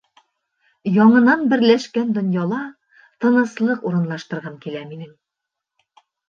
Яңынан берләшкән донъяла тыныслыҡ урынлаштырғым килә минең.